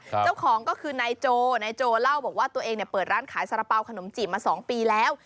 เจ้าของก็คือนายโจนายโจเล่าบอกว่าตัวเองเนี่ยเปิดร้านขายสาระเป๋าขนมจีบมา๒ปีแล้ว